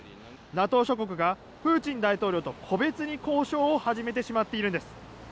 ＮＡＴＯ諸国がプーチン大統領と個別に交渉を始めてしまっているんです。